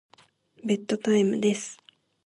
ベッドタイムです。